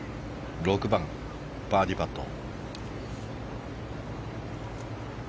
６番、バーディーパット。